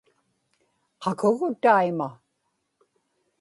qakugu taima